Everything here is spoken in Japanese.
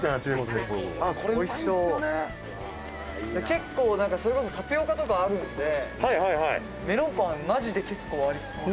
結構それこそタピオカとかあるのでメロンパンマジで結構ありそう。